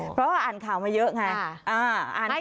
เพราะว่าอ่านข่าวมาเยอะไง